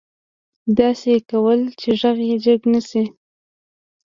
داسې يې کول چې غږ يې جګ نه شي.